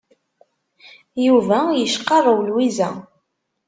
Yuba yecqarrew Lwiza.